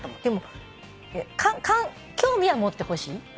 でも興味は持ってほしい。